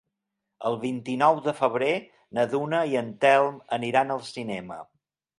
El vint-i-nou de febrer na Duna i en Telm aniran al cinema.